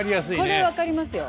これ分かりますよ。